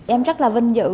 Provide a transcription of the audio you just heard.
em rất là vinh dự